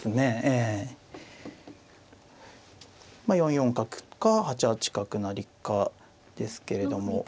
まあ４四角か８八角成かですけれども。